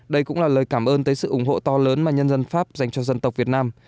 đây cũng là lời cảm ơn tới sự ủng hộ to lớn mà nhân dân pháp dành cho dân tộc việt nam